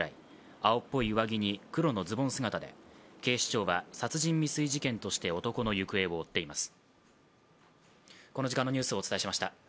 青っぽい上着に黒のズボン姿で警視庁は殺人未遂事件として男の行方を追っています。